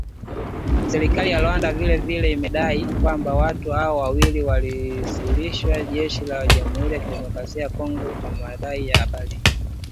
Serikali ya Rwanda vile vile imedai kwamba watu hao wawili walioasilishwa na jeshi la Jamuhuri ya Kidemokrasia ya Congo kwa waandishi wa habari